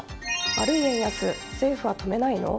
悪い円安、政府は止めないの？